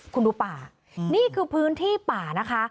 คุณดูป่านี่คือพื้นที่ป่านะคะ